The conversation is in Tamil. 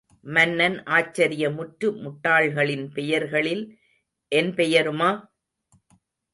மன்னன் ஆச்சரியமுற்று முட்டாள்களின் பெயர்களில் என் பெயருமா?